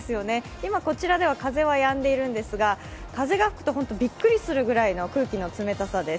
今、風はやんでいるんですが風が吹くと、びっくりするぐらいの空気の冷たさです。